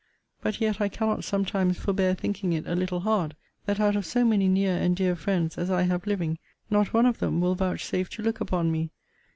But yet I cannot sometimes forbear thinking it a little hard, that out of so many near and dear friends as I have living, not one of them will vouchsafe to look upon me.